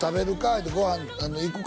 言うて「ご飯行くか」